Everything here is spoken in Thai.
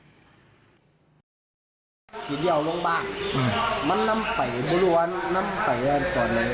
ทีเดียวลงบ้างมันนำไปไม่รู้ว่าน้ำไฟแรงก่อนเลย